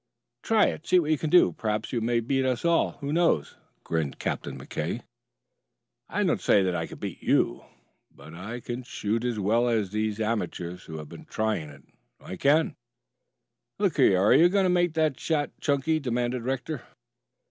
"Try it. See what you can do. Perhaps you may beat us all, who knows?" grinned McKay. "I don't say that I can beat you, but I can shoot as well as these amateurs who have been trying it. I can " "Look here, are you going to make that shot, Chunky?" demanded Rector.